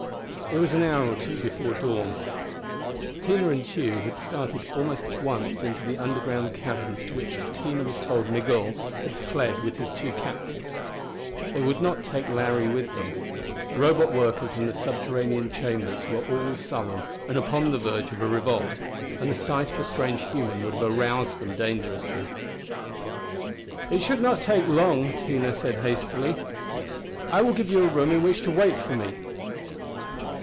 It was an hour or two before dawn. Tina and Tugh had started almost at once into the underground caverns to which Tina was told Migul had fled with his two captives. They would not take Larry with them; the Robot workers in the subterranean chambers were all sullen and upon the verge of a revolt, and the sight of a strange human would have aroused them dangerously. "It should not take long," Tina had said hastily. "I will give you a room in which to wait for me."